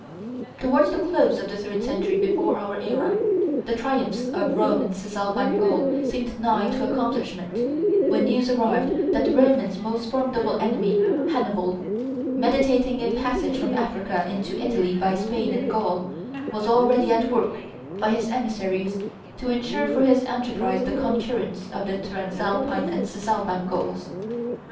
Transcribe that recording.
Towards the close of the third century before our era, the triumph of Rome in Cisalpine Gaul seemed nigh to accomplishment, when news arrived that the Romans' most formidable enemy, Hannibal, meditating a passage from Africa into Italy by Spain and Gaul, was already at work, by his emissaries, to insure for his enterprise the concurrence of the Transalpine and Cisalpine Gauls.